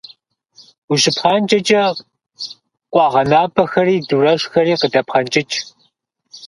Ущыпхъанкӏэкӏэ, къуэгъэнапӏэхэри дурэшхэри къыдэпхъэнкӏыкӏ.